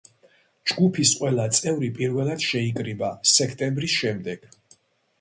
ჯგუფის ყველა წევრი პირველად შეიკრიბა სექტემბრის შემდეგ.